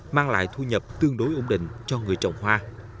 mang lại thu nhập tương đối ổn định cho người trồng hoa